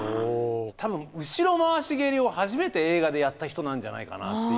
多分後ろ回し蹴りを初めて映画でやった人なんじゃないかなっていう。